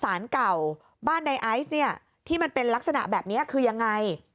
สารเก่าบ้านในไอซ์เนี่ยที่มันเป็นลักษณะแบบนี้คือยังไง